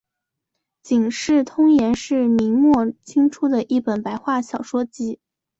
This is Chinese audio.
警世通言是明末清初的一本白话小说集。